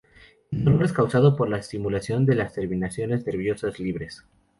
El dolor es causado por la estimulación de las terminaciones nerviosas libres.